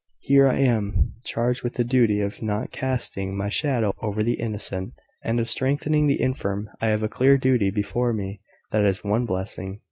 Here I am, charged with the duty of not casting my shadow over the innocent, and of strengthening the infirm. I have a clear duty before me that is one blessing.